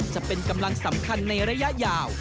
จะเป็นกำลังสำคัญในระยะยาว